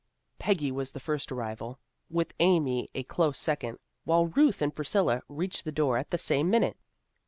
Peggy was the first arrival, with Amy a close second, while Ruth and Priscilla reached the door at the same minute.